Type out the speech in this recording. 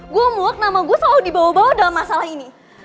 gue mood nama gue selalu dibawa bawa dalam masalah ini